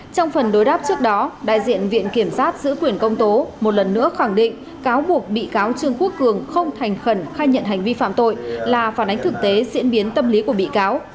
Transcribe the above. trong phần đối đáp trước đó đại diện viện kiểm sát giữ quyền công tố một lần nữa khẳng định cáo buộc bị cáo trương quốc cường không thành khẩn khai nhận hành vi phạm tội là phản ánh thực tế diễn biến tâm lý của bị cáo